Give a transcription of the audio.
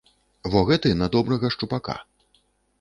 Во гэты на добрага шчупака.